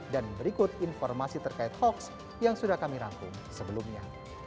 dan berikut informasi terkait hoaks yang sudah kami rangkum sebelumnya